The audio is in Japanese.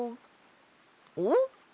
おっ！